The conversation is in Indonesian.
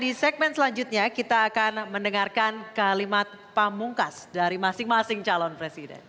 di segmen selanjutnya kita akan mendengarkan kalimat pamungkas dari masing masing calon presiden